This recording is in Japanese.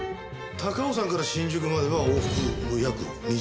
高尾山から新宿までは往復約２時間。